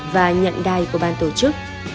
và nhận đai của ban tổ chức